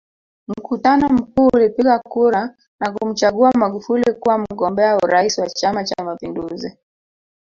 Mkutano mkuu ulipiga kura na kumchagua Magufuli kuwa mgombea urais wa Chama Cha Mapinduzi